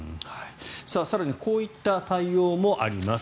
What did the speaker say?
更にこういった対応もあります。